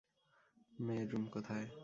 মেয়ের রুম কোথায়?